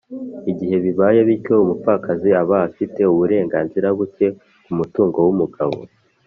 igihe bibaye bityo umupfakazi aba afite uburenganzira buke ku mutungo w’umugabo.